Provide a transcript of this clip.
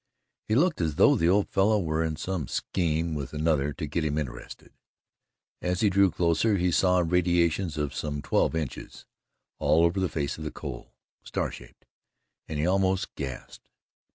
It looked as though the old fellow were in some scheme with another to get him interested. As he drew closer, he saw radiations of some twelve inches, all over the face of the coal, star shaped, and he almost gasped.